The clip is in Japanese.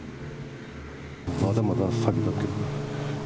まだまだ先だけど。